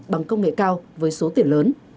bằng công nghệ cao với số tiền lớn